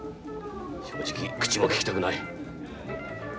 正直口もききたくない！